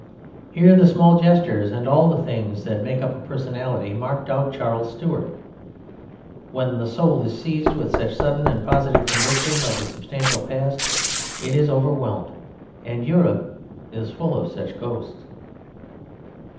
here the small gestures, and all the things that make up a personality, marked out Charles Stuart. When the soul is seized with such sudden and positive conviction of the substantial past it is overwhelmed; and Europe is full of such ghosts.